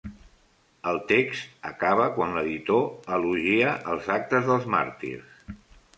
El text acaba quan l'editor elogia els actes dels màrtirs.